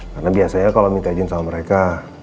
karena biasanya kalau minta izin sama mereka